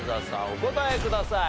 お答えください。